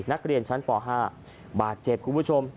นักเรียนชั้นป๕บาดเจ็บคุณผู้ชม